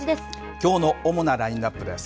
きょうの主なラインアップです。